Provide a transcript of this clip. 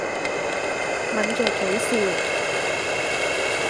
抿着嘴笑。